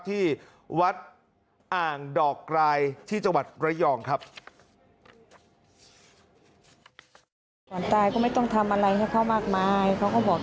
ที่วัดอ่างดอกกรายที่จังหวัดระยองครับ